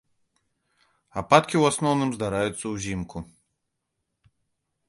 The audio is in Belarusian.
Ападкі ў асноўным здараюцца ўзімку.